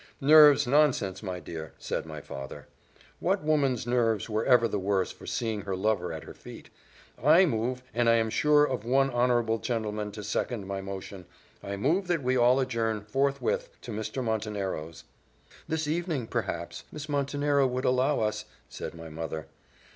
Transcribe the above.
"Nerves! nonsense, my dear," said my father: "what woman's nerves were ever the worse for seeing her lover at her feet? I move and I am sure of one honourable gentleman to second my motion I move that we all adjourn, forthwith, to Mr. Montenero's." "This evening, perhaps, Miss Montenero would allow us," said my mother.